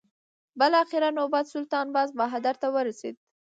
بالاخره نوبت سلطان باز بهادر ته ورسېد.